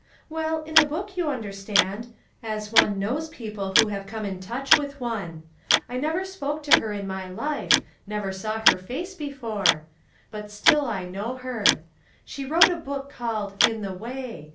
"Well, in a book, you understand; as one knows people who have come in toucb with one. I never spoke to her in my life, never saw her face before; but still I know her. She wrote a book called 'In The Way.'